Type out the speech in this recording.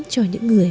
cho những người